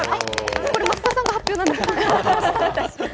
これ増田さんが発表なんですか。